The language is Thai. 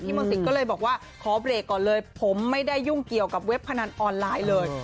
มนศิษย์ก็เลยบอกว่าขอเบรกก่อนเลยผมไม่ได้ยุ่งเกี่ยวกับเว็บพนันออนไลน์เลย